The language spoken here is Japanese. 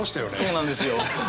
そうなんですよ。